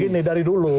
gini dari dulu